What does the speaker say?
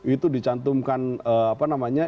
itu dicantumkan apa namanya